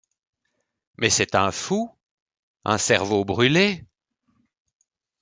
Mais c’est un fou! un cerveau brûlé !...